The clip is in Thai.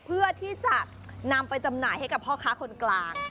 เพื่อที่จะนำไปจำหน่ายให้กับพ่อค้าคนกลาง